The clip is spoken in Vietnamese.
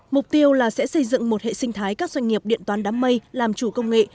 mục tiêu là sẽ xây dựng một hệ sinh thái các doanh nghiệp điện toán đám mây làm chủ công nghệ